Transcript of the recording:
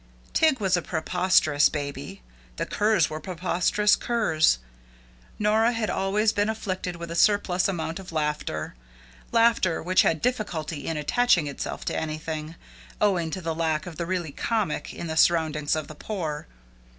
Tig was a preposterous baby. The curs were preposterous curs. Nora had always been afflicted with a surplus amount of laughter laughter which had difficulty in attaching itself to anything, owing to the lack of the really comic in the surroundings of the poor.